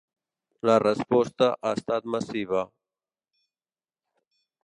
La resposta ha estat massiva.